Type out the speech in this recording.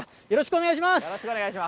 よろしくお願いします。